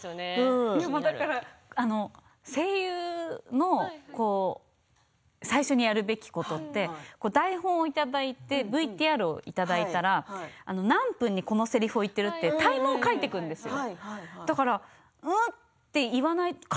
だから声優の最初にやるべきことって台本をいただいてＶＴＲをいただいたら何分にこのせりふを言っているとタイムを書いていくんですよ。